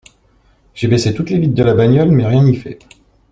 J’ai baissé toutes les vitres de la bagnole, mais rien n’y fait.